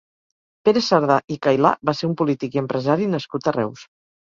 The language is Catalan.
Pere Sardà i Cailà va ser un polític i empresari nascut a Reus.